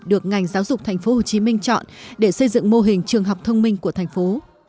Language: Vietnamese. được ngành giáo dục thành phố hồ chí minh chọn để xây dựng mô hình trường học thông minh của thành phố